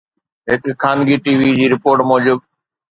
هڪ خانگي T V جي رپورٽ موجب